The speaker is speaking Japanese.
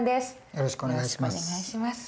よろしくお願いします。